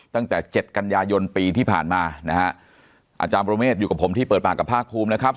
ตั้งแต่เจ็ดกันยายนปีที่ผ่านมานะฮะอาจารย์ประเมฆอยู่กับผมที่เปิดปากกับภาคภูมินะครับ